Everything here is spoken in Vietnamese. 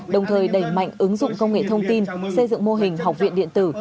đồng thời đẩy mạnh ứng dụng công nghệ thông tin xây dựng mô hình học viện điện tử